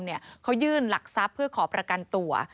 เขายื่นหลักทรัพย์เพื่อขอประกันตัว